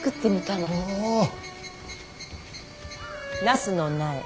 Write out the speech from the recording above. ナスの苗。